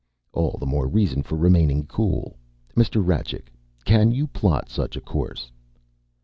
"All the more reason for remaining cool. Mr. Rajcik, can you plot such a course?"